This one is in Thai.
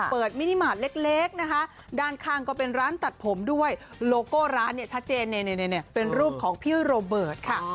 มินิมาตรเล็กนะคะด้านข้างก็เป็นร้านตัดผมด้วยโลโก้ร้านเนี่ยชัดเจนเป็นรูปของพี่โรเบิร์ตค่ะ